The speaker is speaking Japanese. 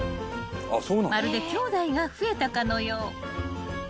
［まるできょうだいが増えたかのよう］